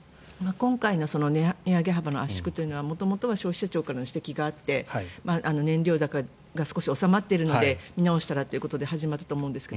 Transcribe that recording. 今回の値上げ幅の圧縮は元々は消費者庁からの指摘があって燃料高が少し収まってるので見直したらということで始まったと思うんです